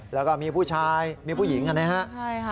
แล้วก็มีผู้ชายมีผู้หญิงกันนะครับ